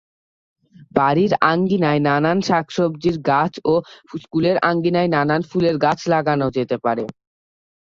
বাড়ির আঙিনায় নানান শাকসবজির গাছ ও স্কুলের আঙিনায় নানান ফুলের গাছ লাগানো যেতে পারে।